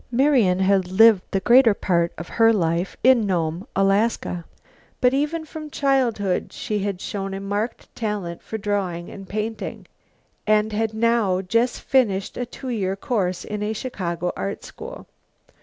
Marian had lived the greater part of her life in Nome, Alaska, but even from childhood she had shown a marked talent for drawing and painting and had now just finished a two year course in a Chicago art school.